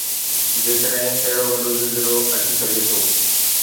جيڪڏهن اهڙو وڏو زلزلو اچي سگهي ٿو.